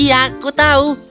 iya aku tahu